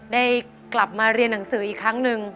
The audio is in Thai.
ได้กลับมาเรียนหนังสืออีกครั้งหนึ่ง